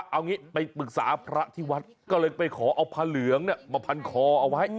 เอางี้ไปปรึกษาพระที่วัดก็เลยไปขอเอาผ้าเหลืองมาพันคอเอาไว้